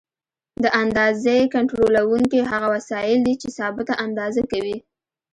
د اندازې کنټرولونکي هغه وسایل دي چې ثابته اندازه کوي.